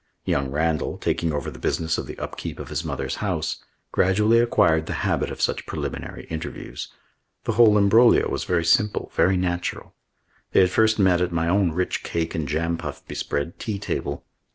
Young Randall, taking over the business of the upkeep of his mother's house, gradually acquired the habit of such preliminary interviews. The whole imbroglio was very simple, very natural. They had first met at my own rich cake and jam puff bespread tea table.